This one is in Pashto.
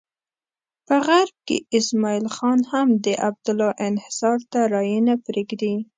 په غرب کې اسماعیل خان هم د عبدالله انحصار ته رایې نه پرېږدي.